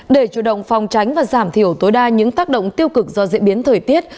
để chủ động phòng tránh và giảm thiểu tối đa những tác động tiêu cực do diễn biến thời tiết